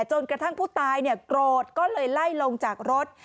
จนกระทั่งผู้ตายโกรธก็เลยไล่ลงจากรถ